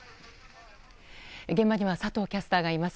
現場には佐藤キャスターがいます。